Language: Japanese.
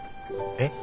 えっ？